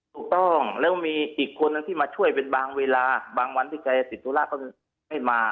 ถูกต้องแล้วมีอีกคนนั้นมาช่วยมาได้ทีมงานเวลาบางเวลาถือจะติดธุระก็ไม่มา